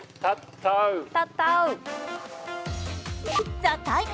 「ＴＨＥＴＩＭＥ，」